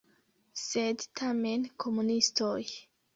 Sed tamen komunistoj.